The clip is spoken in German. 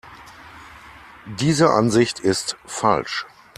Diese Ansicht ist falsch.